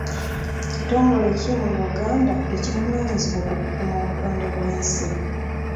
Kitongole ki mu Uganda ekivunaanyizibwa ku kukuuma obutonde bw'ensi?